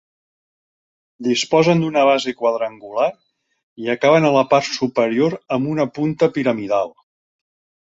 Disposen d'una base quadrangular i acaben en la part superior amb una punta piramidal.